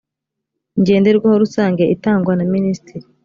ngenderwaho rusange itangwa na minisitiri